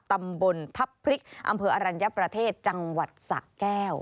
ตำบลทัพพริกอำเภออรัญญประเทศจังหวัดสะแก้ว